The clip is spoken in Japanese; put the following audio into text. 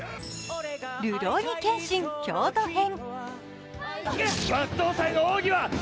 「るろうに剣心京都編」。